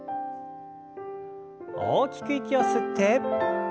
大きく息を吸って。